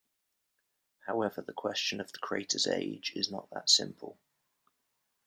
However, the question of the crater's age is not that simple.